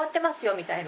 みたいな。